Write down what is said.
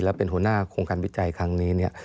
และเป็นหัวหน้าโครงการวิจัยครั้งนี้เนี่ย